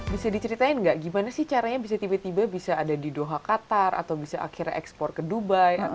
bisa diceritain nggak gimana sih caranya bisa tiba tiba bisa ada di doha qatar atau bisa akhirnya ekspor ke dubai